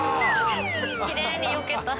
きれいによけた。